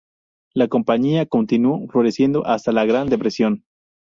La compañía continuó floreciendo hasta la Gran Depresión.